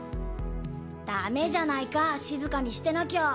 ダメじゃないかしずかにしてなきゃ。